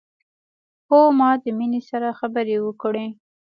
هو ما د مينې سره خبرې وکړې